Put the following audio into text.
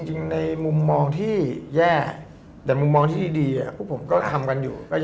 จริงในมุมมองที่แย่แต่มุมมองที่ดีพวกผมก็ทำกันอยู่